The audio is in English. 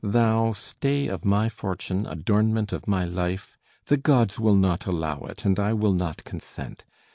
Thou, stay of my fortune, adornment of my life! The gods will not allow it, and I will not consent.